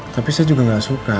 tapi saya juga nggak suka